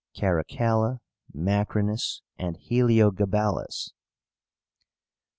CARACALLA, MACRINUS, AND HELIOGABALUS.